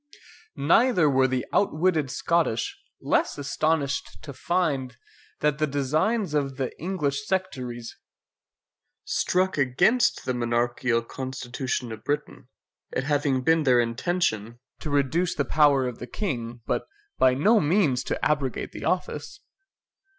Neither were the outwitted Scottish less astonished to find, that the designs of the English sectaries struck against the monarchial constitution of Britain, it having been their intention to reduce the power of the King, but by no means to abrogate the office.